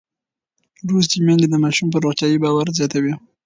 لوستې میندې د ماشوم پر روغتیا باور زیاتوي.